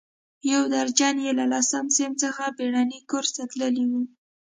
یو درجن یې له لسم صنف څخه بېړني کورس ته تللي وو.